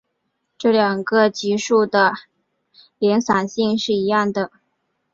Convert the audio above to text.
这两个级数的敛散性是一样的。